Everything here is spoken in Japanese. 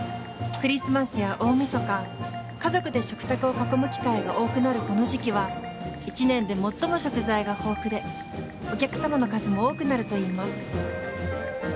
クリスマスや大みそか家族で食卓を囲む機会が多くなるこの時期は一年で最も食材が豊富でお客様の数も多くなるといいます。